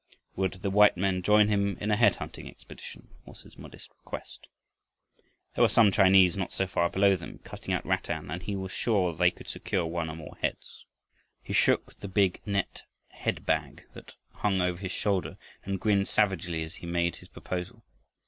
Would the white man join him in a head hunting expedition, was his modest request. There were some Chinese not so far below them, cutting out rattan, and he was sure they could secure one or more heads. He shook the big net head bag that hung over his shoulder and grinned savagely as he made his proposal.